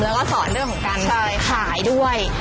แล้วก็สอนเรื่องของการขายด้วย